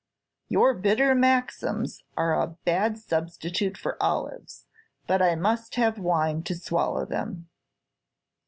Your bitter maxims are a bad substitute for olives, but I must have wine to swallow them."